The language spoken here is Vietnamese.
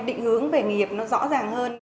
định hướng về nghiệp nó rõ ràng hơn